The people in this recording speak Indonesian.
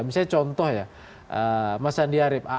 misalnya contoh ya mas andi arief